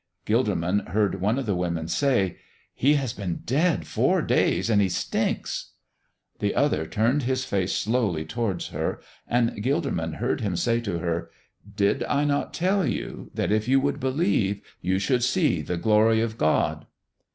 Gilderman heard one of the women say: "He has been dead four days and he stinks." The Other turned His face slowly towards her, and Gilderman heard Him say to her: "Did I not tell you that if you would believe you should see the glory of God?"